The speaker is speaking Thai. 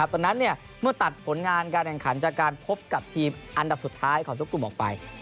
ตอนนั้นเมื่อตัดผลงานการแข่งขันจากการพบกับทีมอันดับสุดท้ายของทุกกลุ่มออกไป